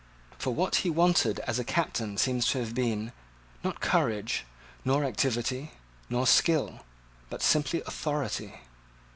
For what he wanted as a captain seems to have been, not courage, nor activity, nor skill, but simply authority.